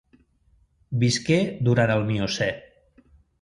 Visqué durant el Miocè.